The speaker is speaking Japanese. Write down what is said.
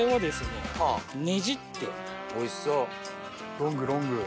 ロングロング